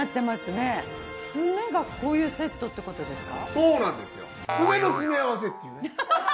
そうなんですよ。